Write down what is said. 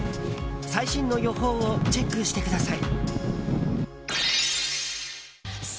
最新の予報をチェックしてください。